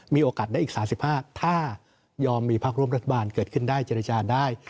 มีโอกาสได้อีก๓๕ถ้ายอมมีพักร่วมรัฐบาลเกิดขึ้นได้เจรจาได้